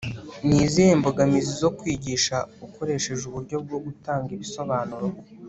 ni izihe mbogamizi zo kwigisha ukoresheje uburyo bwo gutanga ibisobanuro